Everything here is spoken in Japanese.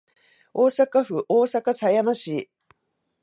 大阪府大阪狭山市